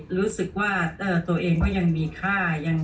รู้สึกว่าตัวเองก็ยังมีค่า